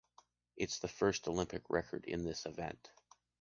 It’s the first Olympic record in this event.